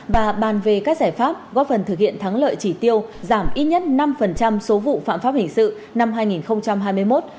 và bàn về các giải pháp góp phần thực hiện thắng lợi chỉ tiêu giảm ít nhất năm số vụ phạm pháp hình sự năm hai nghìn hai mươi một